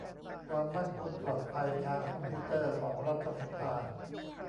ความมั่นคงปลอดภัยทางคอมพิวเตอร์ของรัฐสภา